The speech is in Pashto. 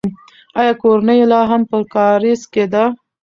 آیا کورنۍ یې لا هم په کارېز کې ده؟